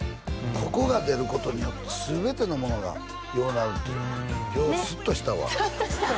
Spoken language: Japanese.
ここが出ることによって全てのものがようなるという今日スッとしたわスッとした？